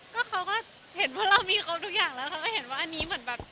ก็เขาก็เห็นว่าเรามีครบทุกอย่างแล้วเขาก็เห็นว่าอันนี้เหมือนแบบ